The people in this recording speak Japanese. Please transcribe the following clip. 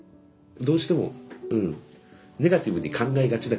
どうしてもうんネガティブに考えがちだから人間って。